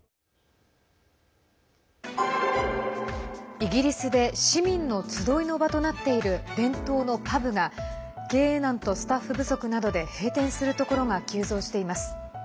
イギリスで市民の集いの場となっている伝統のパブが経営難とスタッフ不足などで閉店するところが急増しています。